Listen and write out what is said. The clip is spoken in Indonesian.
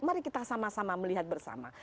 mari kita sama sama melihat bersama